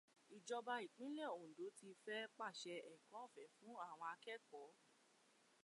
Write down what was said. Ìjọba ìpínlẹ̀ Òǹdó ti fẹ́ pàse ẹ̀kọ́ ọ̀fẹ́ fún àwọn akẹ́kọ̀ọ́.